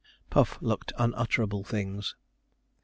Puff looked unutterable things.